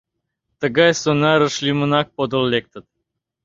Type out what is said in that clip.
— Тыгай сонарыш лӱмынак подыл лектыт.